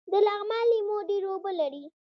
د لغمان لیمو ډیر اوبه لري